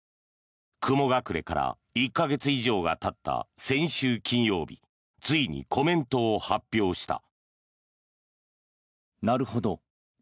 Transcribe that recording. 雲隠れから１か月以上がたった先週金曜日ついにコメントを発表した。